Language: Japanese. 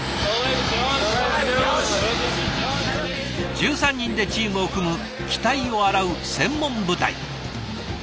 １３人でチームを組む機体を洗う専門部隊。